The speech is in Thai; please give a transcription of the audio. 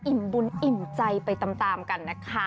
บุญอิ่มใจไปตามกันนะคะ